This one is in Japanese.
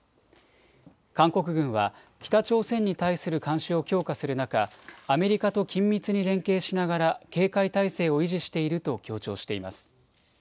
韓国軍は北朝鮮に対する監視を強化する中、アメリカと緊密に連携しながら警戒態勢を維持していると強調しています。